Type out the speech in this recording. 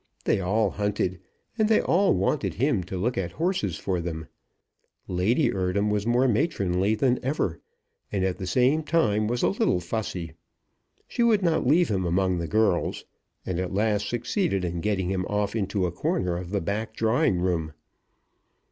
They all hunted, and they all wanted him to look at horses for them. Lady Eardham was more matronly than ever, and at the same time was a little fussy. She would not leave him among the girls, and at last succeeded in getting him off into a corner of the back drawing room.